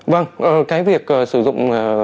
vâng cái việc sử dụng